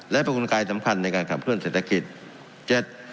และเป็นกลไกสำคัญในการขับเคลื่อเศรษฐกิจ